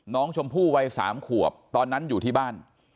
น้องชมพู่วัย๓ขวบตอนนั้นอยู่ที่บ้าน